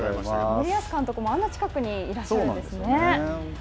森保監督もあんな近くにいらっしゃるんですね。